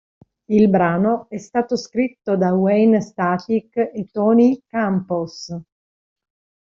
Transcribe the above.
Il brano è stato scritto da Wayne Static e Tony Campos.